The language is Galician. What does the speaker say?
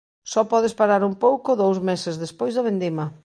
Só podes parar un pouco dous meses despois da vendima.